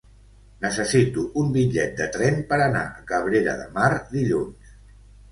Necessito un bitllet de tren per anar a Cabrera de Mar dilluns.